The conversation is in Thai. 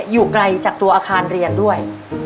อยู่ไกลจากตัวอาคารเรียนด้วย